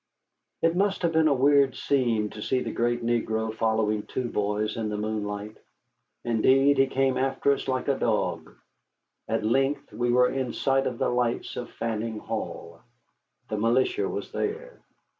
It must have been a weird scene to see the great negro following two boys in the moonlight. Indeed, he came after us like a dog. At length we were in sight of the lights of Fanning Hall. The militia was there.